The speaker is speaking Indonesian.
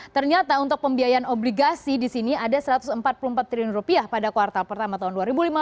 ternyata untuk pembiayaan obligasi di sini ada satu ratus empat puluh empat triliun pada kuartal pertama tahun dua ribu lima belas